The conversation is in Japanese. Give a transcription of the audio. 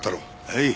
はい。